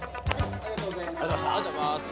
ありがとうございます。